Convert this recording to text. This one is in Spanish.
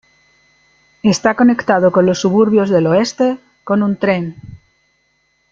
Está conectado con los suburbios del oeste con un tren.